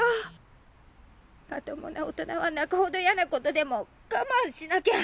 まともな大人は泣くほど嫌なことでも我慢しなきゃ。